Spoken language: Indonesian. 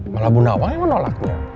malah bu nawang yang menolaknya